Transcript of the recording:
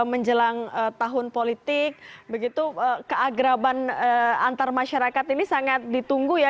menjelang tahun politik begitu keagraban antar masyarakat ini sangat ditunggu ya